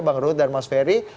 bang ruhut dan mas ferry